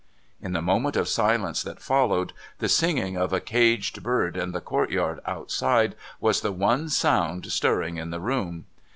In the moment of silence that follov/ed, the singing of a caged bird in the courtyard outside was the one sound stirring in the room.